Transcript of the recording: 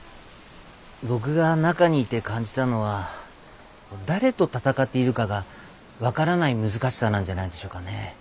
僕が中にいて感じたのは誰と闘っているかが分からない難しさなんじゃないでしょうかね。